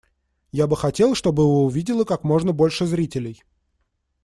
Я бы хотел, чтобы его увидело как можно больше зрителей.